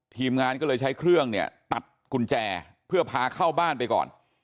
ทีมงานก็เลยใช้เครื่องเนี่ยตัดกุญแจเพื่อพาเข้าบ้านไปก่อน